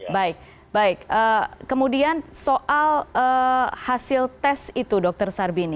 baik baik kemudian soal hasil tes itu dr sarbini